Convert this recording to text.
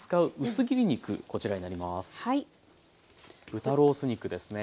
豚ロース肉ですね。